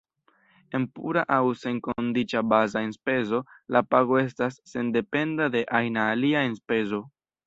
En pura aŭ senkondiĉa baza enspezo la pago estas sendependa de ajna alia enspezo.